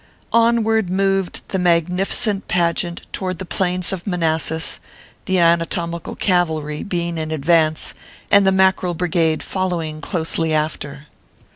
Onward moved the magnificent pageant toward the plains of Manassas, the Anatomical Cavalry being in advance, and the Mackerel Brigade following closely after.